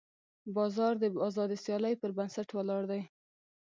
بازار د ازادې سیالۍ پر بنسټ ولاړ دی.